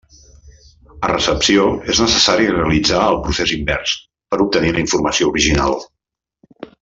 A recepció és necessari realitzar el procés invers per obtenir la informació original.